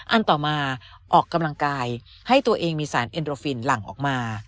อันต่อมาออกกำลังกายให้ตัวเองมีสารเอ็นโดฟินหลั่งออกมา